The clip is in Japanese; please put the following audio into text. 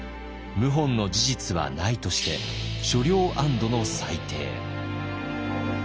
謀反の事実はないとして所領安堵の裁定。